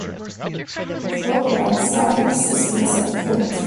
Programs, signage systems and print.